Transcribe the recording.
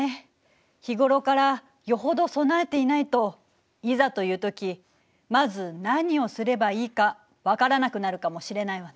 日頃からよほど備えていないといざという時まず何をすればいいか分からなくなるかもしれないわね。